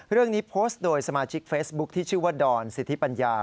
เรื่องนี้โพสต์โดยสมาชิกเฟซบุ๊คที่ชื่อว่าดอนสิทธิปัญญา